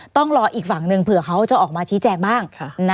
ต้องรออีกฝั่งหนึ่งเผื่อเขาจะออกมาชี้แจงบ้าง